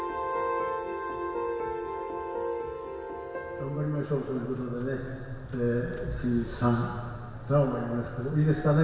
頑張りましょうということでね「１２３ダー！」をやりますけどいいですかね？